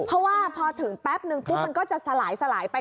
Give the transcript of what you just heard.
เพราะว่าพอถึงแป๊บนึงปุ๊บมันก็จะสลายไป